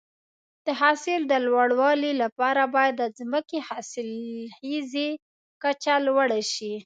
د حاصل د لوړوالي لپاره باید د ځمکې حاصلخیزي کچه لوړه شي.